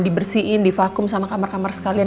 dibersihin divakum sama kamar kamar sekalian